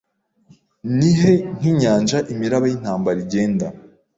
Nihe nkinyanja imiraba yintambara igenda